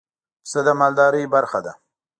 پسه د مالدارۍ برخه ده.